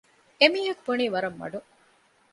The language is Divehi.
އެމީހަކު ބުނީ ވަރަށް މަޑުން